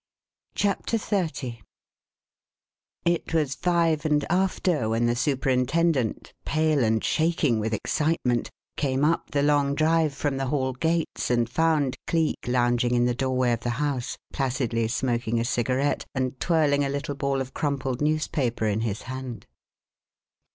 CHAPTER XXX It was five and after when the superintendent, pale and shaking with excitement, came up the long drive from the Hall gates and found Cleek lounging in the doorway of the house, placidly smoking a cigarette and twirling a little ball of crumpled newspaper in his hand.